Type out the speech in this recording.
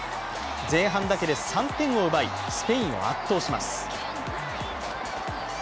前半だけで３点を奪いスペインを圧倒します。